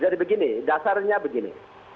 jadi begini dasarnya begini